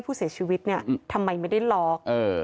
ผู้เสียชีวิตเนี่ยทำไมไม่ได้ล็อก